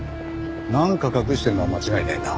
なんか隠してるのは間違いねえな。